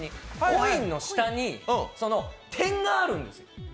コインの下に、点があるんですよ。